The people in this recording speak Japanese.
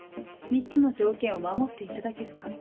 ３つの条件を守っていただけるか。